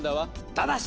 ただし！